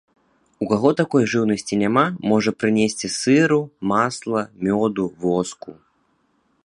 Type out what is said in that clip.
У каго такой жыўнасці няма, можа прынесці сыру, масла, мёду, воску.